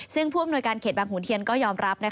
ซึ่งผู้อำนวยการเขตบางขุนเทียนก็ยอมรับ